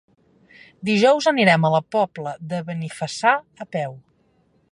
Dijous anirem a la Pobla de Benifassà a peu.